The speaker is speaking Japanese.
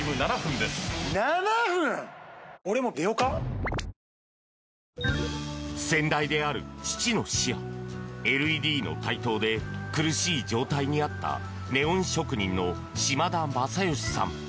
東京海上日動先代である父の死やＬＥＤの台頭で苦しい状態にあったネオン職人の島田真嘉さん。